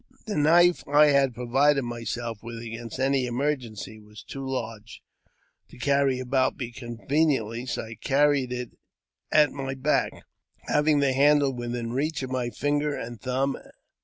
The knife I had provided myself with against any emer gency was too large to carry about me conveniently, so I carried it at my back, having the handle within reach of my finger and thumb.